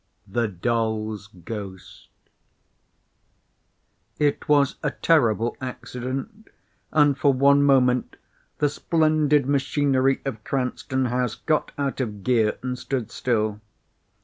THE DOLL'S GHOST It was a terrible accident, and for one moment the splendid machinery of Cranston House got out of gear and stood still.